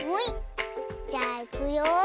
じゃあいくよ。